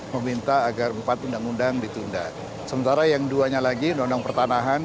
meminta agar empat undang undang ditunda sementara yang duanya lagi undang undang pertanahan